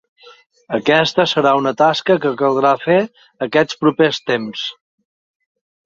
Aquesta serà una tasca que caldrà fer aquests propers temps.